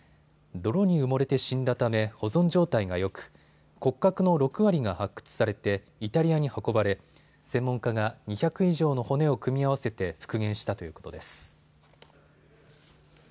泥に埋もれて死んだため保存状態がよく、骨格の６割が発掘されてイタリアに運ばれ専門家が２００以上の骨を組み合わせて復元したということです。